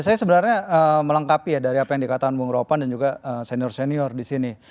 saya sebenarnya melengkapi ya dari apa yang dikatakan bung ropan dan juga senior senior di sini